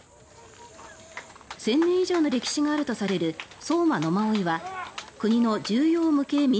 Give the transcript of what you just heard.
１０００年以上の歴史があるとされる相馬野馬追は国の重要無形民俗